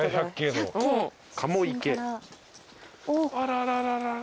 あららら。